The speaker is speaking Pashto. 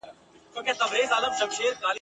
چي رګونه مي ژوندي وي له سارنګه له ربابه ..